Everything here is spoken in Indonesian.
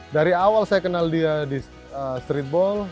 dari awal saya kenal dia di streetball